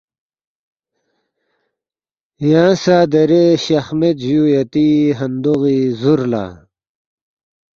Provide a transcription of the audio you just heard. یانگ سہ دیرے شخ مید جُو یتی ہندوغی زُر لا